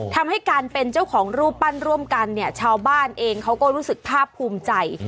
ทำให้การเป็นเจ้าของรูปปั้นร่วมกันเนี่ยชาวบ้านเองเขาก็รู้สึกภาพภูมิใจ